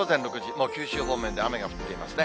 もう九州方面で雨が降っていますね。